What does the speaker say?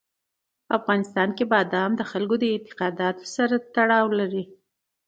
په افغانستان کې بادام د خلکو د اعتقاداتو سره تړاو لري.